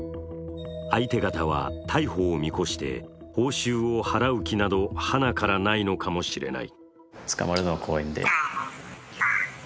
相手方は逮捕を見越して報酬を払う気などハナからないのかもしれない。